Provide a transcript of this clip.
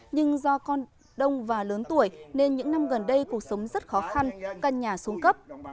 nhưng do con đông và lớn tuổi nên những năm gần đây cuộc sống rất khó khăn căn nhà xuống cấp